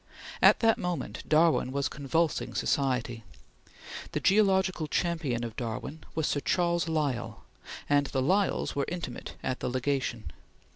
At that moment Darwin was convulsing society. The geological champion of Darwin was Sir Charles Lyell, and the Lyells were intimate at the Legation.